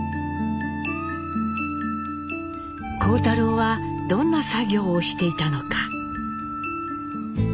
幸太郎はどんな作業をしていたのか？